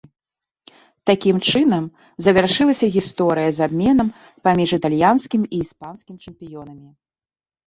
Такім чынам, завяршылася гісторыя з абменам паміж італьянскім і іспанскім чэмпіёнамі.